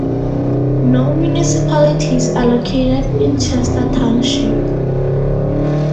No municipalities are located in Chester Township.